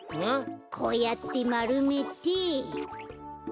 こうやってまるめて。